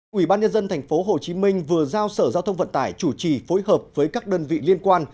quỹ ban nhân dân tp hcm vừa giao sở giao thông vận tải chủ trì phối hợp với các đơn vị liên quan